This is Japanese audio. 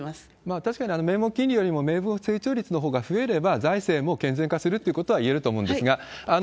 確かに名目金利よりも名目成長率が増えれば、財政も健全化するってことはいえると思うんですが。